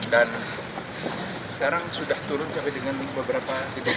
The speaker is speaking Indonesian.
dan sekarang sudah turun sampai dengan beberapa